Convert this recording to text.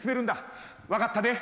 分かったね。